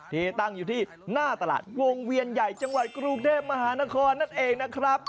ที่ตั้งอยู่ที่หน้าตลาดวงเวียนใหญ่จังหวัดกรุงเทพมหานครนั่นเองนะครับ